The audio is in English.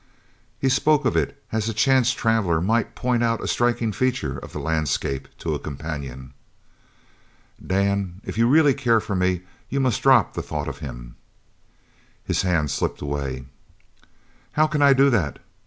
He spoke of it as a chance traveller might point out a striking feature of the landscape to a companion. "Dan, if you really care for me you must drop the thought of him." His hand slipped away. "How can I do that?